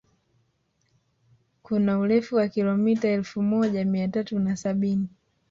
Kuna urefu wa kilomita elfu moja mia tatu na sabini